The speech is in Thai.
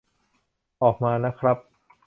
ออกมานะครับ